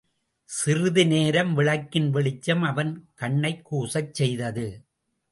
சிறிதுநேரம், விளக்கின் வெளிச்சம் அவன் கண்ணைக் கூசச் செய்தது.